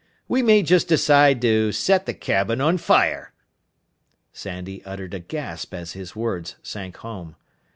"We may just decide to set the cabin on fire." Sandy uttered a gasp as his words sank home.